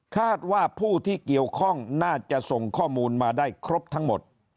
คาดว่าผู้ที่เกี่ยวข้องน่าจะส่งข้อมูลมาได้ครบทั้งหมด